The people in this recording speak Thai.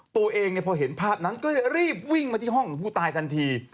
ตัวเองเนี่ยพอเห็นภาพหนังก็จะรีบวิ่งมาที่ห้องผู้ตายทันที